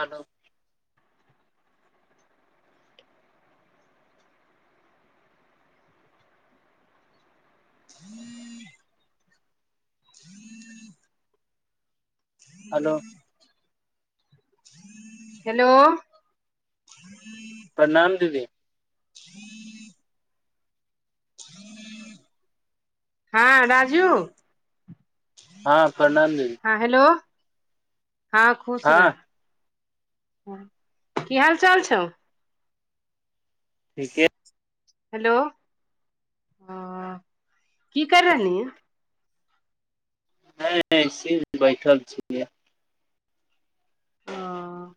Hello हू hello hello ह प्रणाम दीदी हँ राजू हँ प्रणाम दीदी हँ हेलो हँं खुश रहे हँ की हाल चाल छौ ठीके हेलो की कर रहली ह ह सि बैठल छियै ओ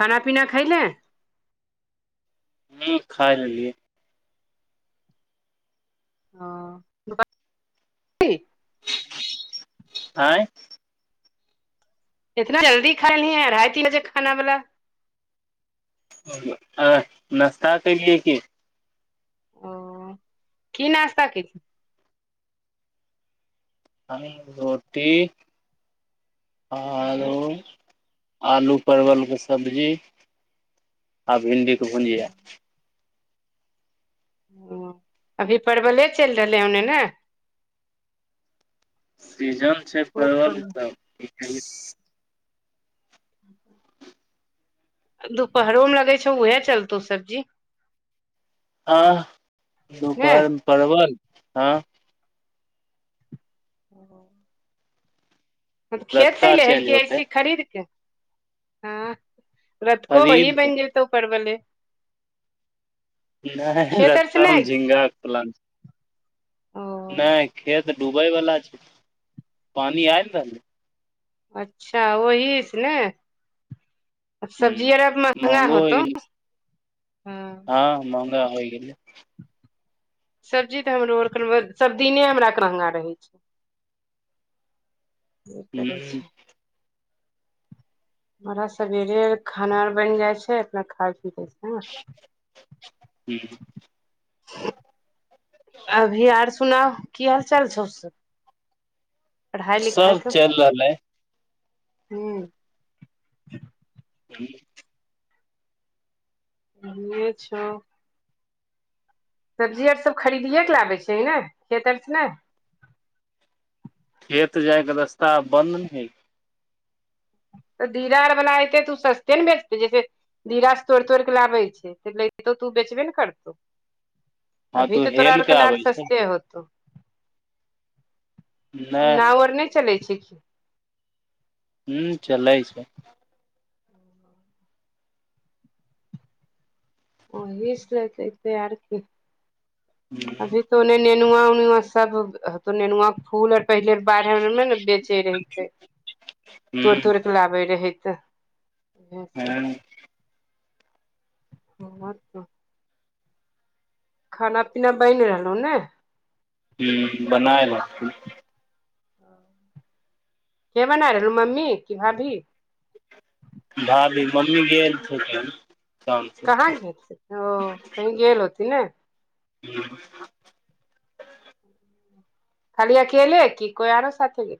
खाना पीना खइलै न खाय लेलियै हं [unintelligible] आँय इतना जल्दी खाय ली अढ़ाइ तीन बजे खाना वाला आ नाश्ता के लिय की ओ की नास्ता कि रोटी आलू आलू परवल के सब्जी आ भिंडी के भुजिया ओ अभी परवले चलि रहलै होने ने सीजन छै खूब परवल परवलसभ ई कह ह दुपहरो मे लगै छौ उएहे चलतौ सब्जी आ ने दुपहरमे परवल हँ त खेत सऽ रतका चेंज ललेहलक होते ऐसे खरीदके हँ रथको खरीद वही के बनि गेलतौ परबले नहि रत्तामे झिगाक फलान ओ नहि खेत डूबय वलाा छै पानि आय रहलै अच्छा ओही से ने ह सब्जी आर महगा महंगो होइ होतौ गेलै हँ हँ महंगा होइ गेलय सब्जी तऽ हमरो आर के सबदिने हमरा आर के महंगा रहै छै ई करै ह छै हमरा सवेरे खाना आर बन जाय छै अपना खााय पीे से हूं अभी आर सुना की हाल चाल छस पढ़ाइ लिखाइ सब क चलि रहलै ह ह बे छौ सब्जी आर सब खरीदियए के लबै छै ने खेत आर से ने खेत जायके रस्ता बन्द ने हय तऽ दीरार वला एतै तऽ ओ सस्ते ने बेचतै जैसे दिराास तोड़ि तोड़िक लाबै छै त लै तऽ तू बेचबे ने करतौ हँ अभी तू तऽ तोरा आरके हेलके अनार आबै छै सस्ते नहि नाव आर नहि चलै छै की हू चलै छै ओ इस लतत आरके [unintelligible] ह अभी तो ओने नेनुआ उनुआ सब तो नेनुआ फूल पहिले बाहर मे ने बेचे रहे ह तोर तोड़ खिलबै रहै तऽ इएह सब ह आ त खाना पीना बनि रहलहु ने हूं बनाय रहथि के बन रू मम्मी की भाभी भाभी मम्मी गेल छथिन काम से कहाँ गेल ओ कही गेलल होती ने ह [inaudible] खालिया खल की कोइ आरो साथे गेल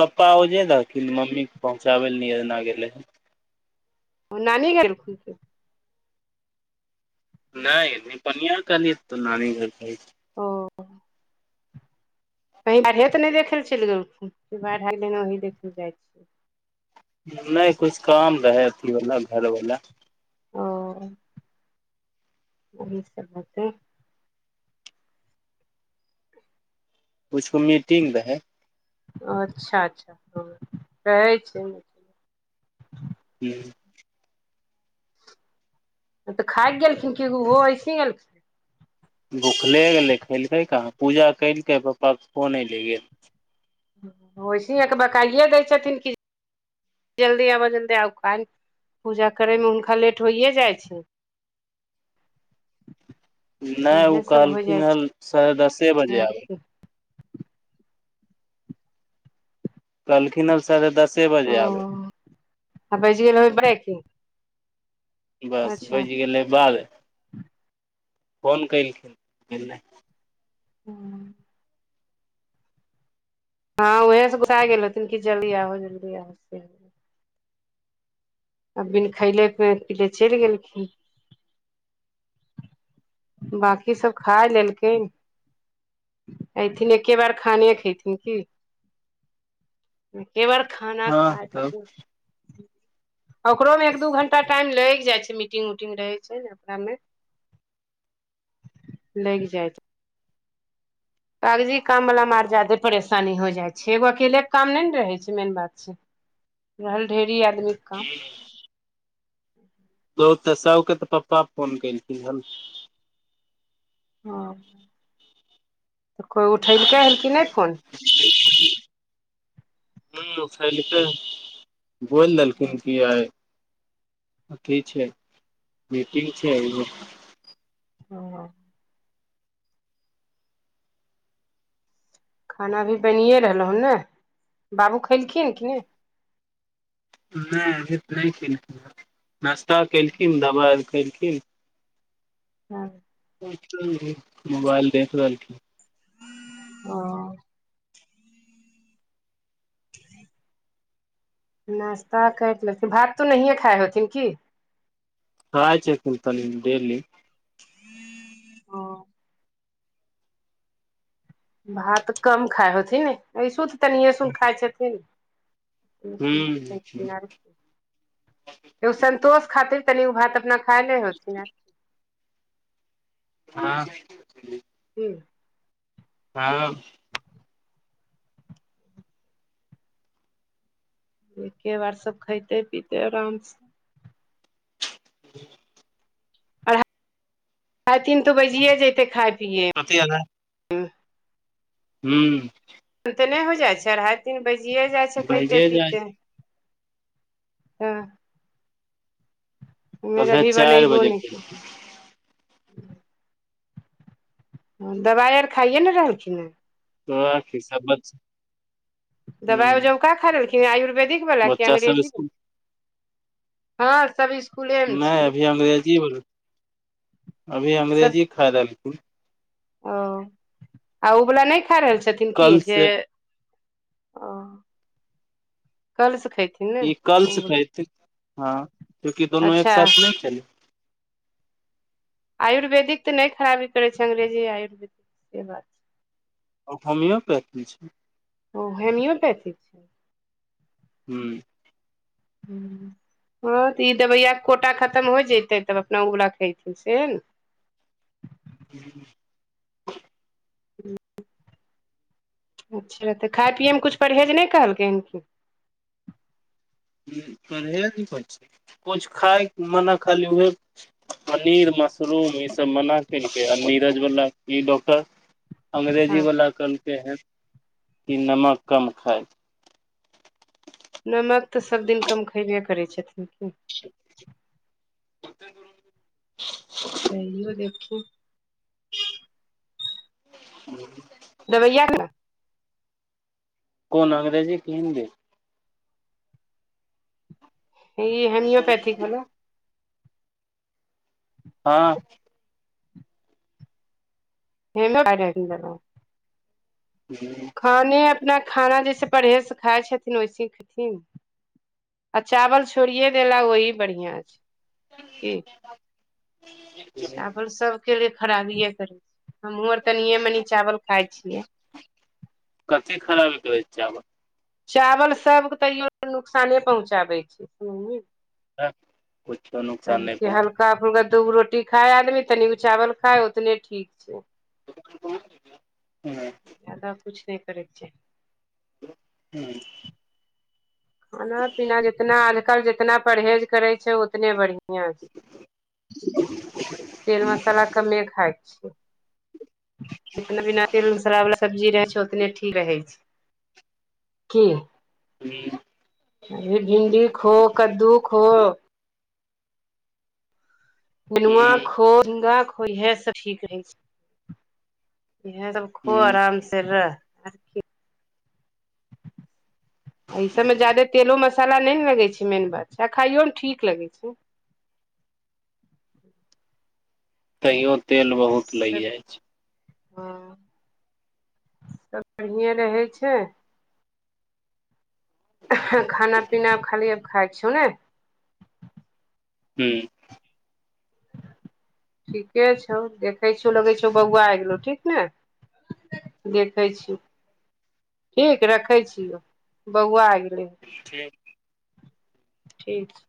पप्पा ओजे दथिन मम्मी पहुँचाबै लए नाहि गेलै हन ओ नानी घर में नहि नहि पनिया खालीत त नानी घर ओ कहीं बाढ़े तऽ नहि देखे लेल चलि गेलखुन बाढ़ ही देखे जाइ छियै नहि कुछ काम रहै अथी वालला घर वाला ओ यही सब बात है कुछके मीटिंग रहै अच्छा अच्छा हँ रहै छै मछली हूं तऽ खा गेलखिन क ओहो अऐसे एलखिन भुखले गेलै खेलकै कहाँ पूजा कलकै पप्पा के फोन अयले गेल वइसिहेके बकइए दै छथिन कि जल्दी आबऽ जल्दी आउ क पूजा करयमे हुनका लेट होइए जाइ छै नहि ओ उएह सभ हो जाइ कहलखिन ह साढ़े दसे छै बजे आर आबै की कहलखिन हब साढ़े दसे ओ बजे आबै आ बेज गेल बै क बस बाज गेलै बाद फोन कलखिन हू हँं ऊहे से गोसा गेल हथिन कि जल्दी आहो जल्दी आहो से अब बिन खैले पिले चलि गेलखिन बकी सब खाय लेलकिन अऐथिन एके बार खाने खेयथिन की क बार खाना हँ खाय तब कतना ओकरोमे एक दू घं्टा टाइम लागि जाइ छै मीटिंग उटिंग रहै छै ने ओकरामे लागि जायत कागजी काम वाला म आर जदे परेशानी हो जाइ छै एगो अकेले के काम नहि ने रहै छै मेन बात छै रहल ढेरी आदमीके काम बहुतसाके तऽ पप्पा फोन केलखिन हन ह तऽ कोइ उठेलकै हल कि नहि फोन ह फल त [unintelligible] गोल ललखिन कए अथी छै मीटिंग छै ह खाना भी बनिए रहलहु हन ने बाबू खलखिन ह कि नहि नहि अभी तऽ नहि केलखिन नाश्ता केलखिन दबाइ आर केलखिन हँ मोबाइल देख रहलखिन ओ नास्ता करि लेथिन भात तऽ नहिए खाइ हेथिन की खाय छथिन तनी डेली हँ भात कम खाइ होथिन ने ऐसहु तऽ तनिये सुन खाय छथिन। सु हूं [unintelligible] ओ सन्तोष खातिर तनि ओ भात अपना खाइले होथिन आब हँ की चाबल एके बार सब खैतै पीतै आरामसँ [inaudible] अढ़ाइ अढ़ाइ तीन तऽ बजिये जैते खाय पियैमे कथी एल हे हूँ लेट तऽ नहि हो जाइ छै अढ़ाइ तीन बजिए जाइ छै खाइते भैजे जाइ पीते छै हँ हम्मे आर कल्हे अभी चारि बनैबौ बजे नहि के केलियै दवाइ आर खाइए ने रहलखिन हें तोरा कीसब [unintelligible] दबाइ ओहिजामका खा लेलखिन आयुर्वेदिक वला कि बच्चा सब अंग्रेजी स्कुल बला हँ सभ स्कुलेमे नहि छै अभी अंग्रेजी बोल अभी सब अंग्रेजी खा रहल रहलखिन ओ आ ओवला नहि खा रहल छथिन की कल जे से ओ कल सँ खेती ई कलस हँ क्युंकि दुनू एक अच्छा साथ नहि छलै आयुर्वेदिक तऽ नहि खराबी करै छै अंगग्रेजी आयुर्वेदिक से बात होमियोपैथी छै ओ होमियोपैथी छै हूँ हँ तऽ ई दबैयाके कोटा खत्म हो जतै तब अपना उब रखेतै सेहे ने हुंम्म अच्छा तऽ खाय पियैमे किछु परहेज नहि कहलकै हन की परहेज मे कुछ खाय मना खाली पनीर मशरूम ई सभ मना केलकै आ नीरज वला ई डॉक्टर अंग्रेजी हँ वला कहलते हन कि नमक कम खाए नमक तऽ सब दिन कम खयबे करै छथिन की ओ [unintelligible] तैयो देखू ह [unintelligible] दबैआ के [unintelligible] कोन अंग्रेजी की हिन्दी ई हेमियोपैथिक बला हँ ह [unintelligible] [inaudible] भने अपना खाना जैसे परहेज से खाय छथिन ओइसीही खैथिन नऽ आ चावल छोड़िये देला ओही बढ़ियाँ छै की ह [unintelligible] चावल सब के लिए खराबिे करे छी हमहुँ आर तनिए मनि चावल खााय छियै कथी खराबी कर रहै छै चावल चावल सबके तैयो नुकसाने पहुँचाबै छै कुछो नुकसान नहि पहुँच का फल्का दूगो रोटी खाय आदमी तनिगो चावल खाय उतने ठीक छै हँ जादा कुछ नहि करै छै हूँ खाना पीना जितना आजकल जितना परहेज करै छै उतने बढ़िआं छै [unintelligible] तेल मसाला कमे खााय छियै जितना बिना तेलमसला बालला सब्जी रहै छै उतने ठीक रहै छै की हुँ अभी भिन्डी खो कद्दू खो ननुआ ह खो मुनगा खो यह सब ठीक रहै छै इहे सब खो ह आराम से रह ई सभमे ज्यादे तेलो मसाला नहि ने लगै छै मेन बात छै आ खाइयोमे ठीक लगैत छै तैयो तेल बहुत लागि सब जाई छै हँ सब बढ़िए रहै छै खाना पीना खाली खाई छौ ने हूँ ठीके छौ देखै छौ लगै छौ बौआ आइ गेलौ ठीक ने देखै छियौ ठीक रखै छियौ बौआ आ गेलै ठीक ठीक छै